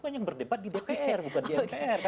yang berdebat di dpr bukan di mpr